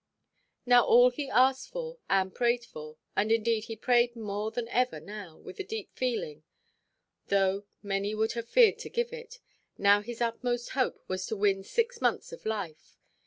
Now all he asked for, all he prayed for—and, indeed, he prayed more than ever now, and with deeper feeling; though many would have feared to do it—now his utmost hope was to win six months of life.